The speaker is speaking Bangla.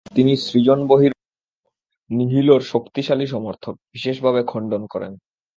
তিনি সৃজন বহির্গত নিহিলোর শক্তিশালী সমর্থক, বিশেষভাবে খণ্ডন করেন।